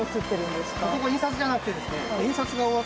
ここ印刷じゃなくてですね。